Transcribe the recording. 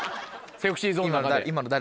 ＳｅｘｙＺｏｎｅの中で。